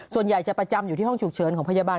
ส่วนใหญ่จะประจำอยู่ที่ห้องฉุกเฉินของพยาบาล